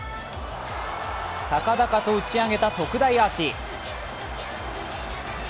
高々と打ち上げた特大アーチ。